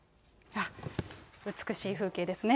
美しい風景ですね。